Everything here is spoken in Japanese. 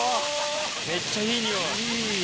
めっちゃいい匂い。